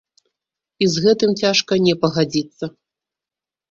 І з гэтым цяжка не пагадзіцца.